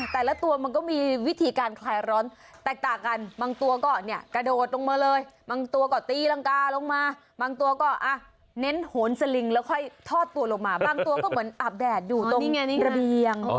แต่ละตัวมันก็มีวิธีการคลายร้อนแตกต่างกันบางตัวก็เนี่ยกระโดดลงมาเลยบางตัวก็ตีรังกาลงมาบางตัวก็เน้นโหนสลิงแล้วค่อยทอดตัวลงมาบางตัวก็เหมือนอาบแดดอยู่ตรงระเบียง